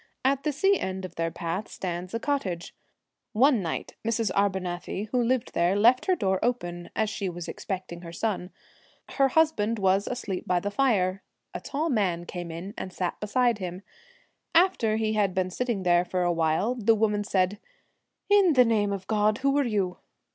At the sea end of their path stands a cot tage. One night Mrs. Arbunathy, who lived there, left her door open, as she was expecting her son. Her husband was asleep by the fire ; a tall man came in and sat beside him. After he had been sitting there for a while, the woman said, 'In the name of God, who are you?'